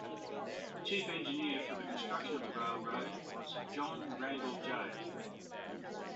The chief engineer for the construction of the railroad was John Randel J.